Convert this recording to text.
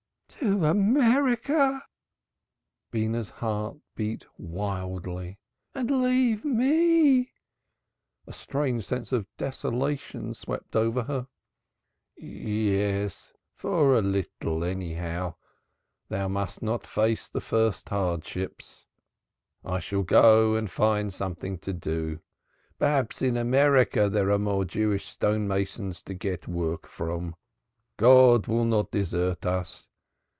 "To America!" Beenah's heartbeat wildly. "And leave me?" A strange sense of desolation swept over her. "Yes for a little, anyhow. Thou must not face the first hardships. I shall find something to do. Perhaps in America there are more Jewish stone masons to get work from. God will not desert us.